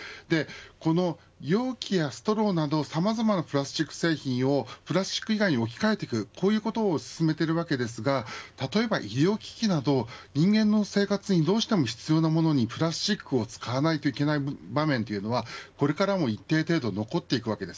この容器やストローなどさまざまなプラスチック製品をプラスチック以外に置き換えていくことを進めているわけですが例えば医療機器など人間の生活にどうしても必要なものに、プラスチックを使わないといけない場面というのはこれからも一定程度残っていくわけです。